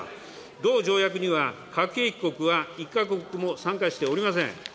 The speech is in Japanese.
同条約には、核兵器国は１か国も参加しておりません。